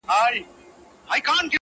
اوس مي تا ته دي راوړي سوغاتونه!